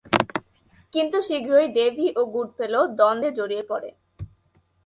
কিন্তু, শীঘ্রই ডেভি ও গুডফেলো দ্বন্দ্বে জড়িয়ে পড়ে।